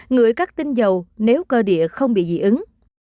ngửi các tinh dầu nếu cơ địa không bị dị ứng